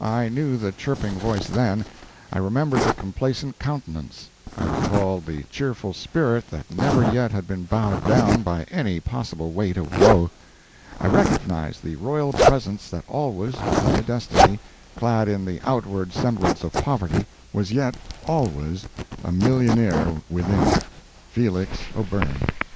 I knew the chirping voice then; I remembered the complacent countenance; I recalled the cheerful spirit that never yet had been bowed down by any possible weight of woe; I recognized the royal presence that always, by a destiny, clad in the outward semblance of poverty, was yet always a millionaire within: Felix O'Byrne!